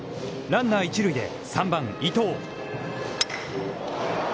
ランナー一塁で３番伊藤。